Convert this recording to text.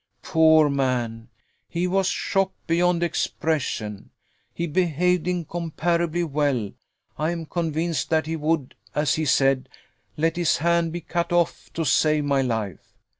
Poor man! he was shocked beyond expression. He behaved incomparably well. I am convinced that he would, as he said, let his hand be cut off to save my life.